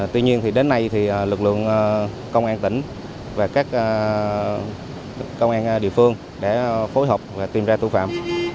tuy nhiên đến nay thì lực lượng công an tỉnh và các công an địa phương đã phối hợp và tìm ra tội phạm